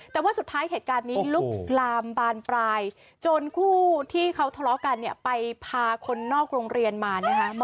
แต่ว่าสุดท้ายเหตุการณ์นี้ลุกลามบานปลายจนคู่ที่เขาทะเลาะกันเนี่ยไปพาคนนอกโรงเรียนมานะคะ